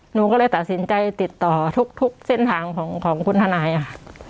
หนูก็เลยตัดสินใจติดต่อทุกเส้นทางของคุณทนายค่ะ